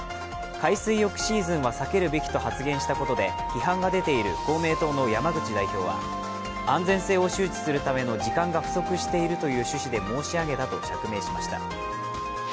海水浴シーズンは避けるべきと発言したことで批判が出ている公明党の山口代表は安全性を周知するための時間が不足しているという趣旨で申し上げたと釈明しました。